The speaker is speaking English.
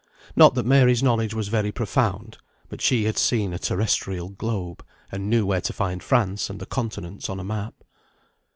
Not that Mary's knowledge was very profound, but she had seen a terrestrial globe, and knew where to find France and the continents on a map.